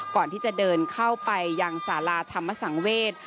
ก่อนที่จะเดินเข้าไปยังสาราธรรมสังเวศ